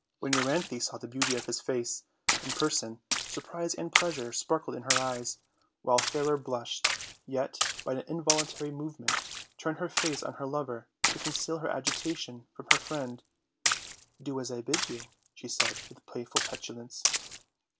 When Euryanthe saw the beauty of his face and per son, surprise and pleasure sparkled in her eyes, while Fairer blushed, yet, by an involuntary movement, turned her face on her lover to conceal her agitation from her friend: "Do as I bid you," said she, Avith playful petu lance.